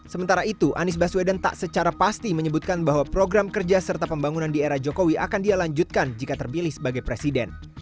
sementara itu anies baswedan tak secara pasti menyebutkan bahwa program kerja serta pembangunan di era jokowi akan dia lanjutkan jika terpilih sebagai presiden